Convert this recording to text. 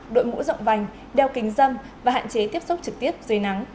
đội mũ rộng vành đeo kính dâm và hạn chế tiếp xúc trực tiếp dưới nắng